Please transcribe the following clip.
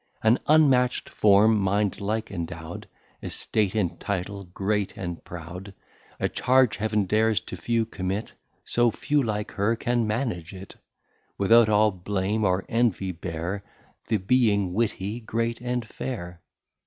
II. An unmatch't Form, Mind like endow'd, Estate, and Title great and proud; A Charge Heaven dares to few commit, So few, like her, can manage it; Without all Blame or Envy bear, The being Witty, Great and Fair!